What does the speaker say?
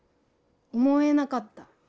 思えなかった。